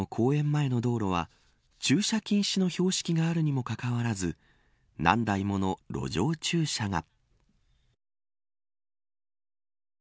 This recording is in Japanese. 前の道路は駐車禁止の標識があるにもかかわらず何台もの路上駐車が。